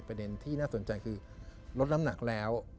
ประเด็นที่น่าสนใจคือลดน้ำหนักแล้ว